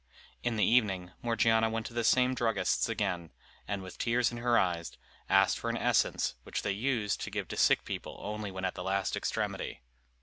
In the evening Morgiana went to the same druggist's again, and with tears in her eyes, asked for an essence which they used to give to sick people only when at the last extremity.